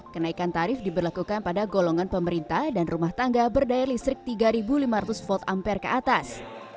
kenaikan tarif diberlakukan pada golongan pemerintah dan rumah tangga berdaya listrik tiga lima ratus volt ampere ke atas